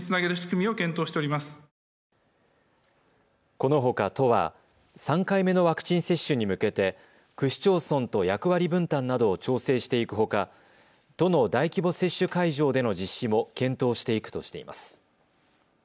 このほか都は３回目のワクチン接種に向けて区市町村と役割分担などを調整していくほか都の大規模接種会場での実施も検討していくとしています。